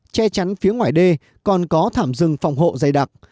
che chắn phía ngoài đê còn có thảm rừng phòng hộ dày đặc